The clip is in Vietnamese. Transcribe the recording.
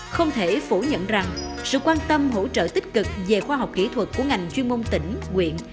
không thể phủ nhận rằng sự quan tâm hỗ trợ tích cực về khoa học kỹ thuật của ngành chuyên môn tỉnh quyện